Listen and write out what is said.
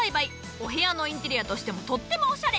お部屋のインテリアとしてもとってもおしゃれ！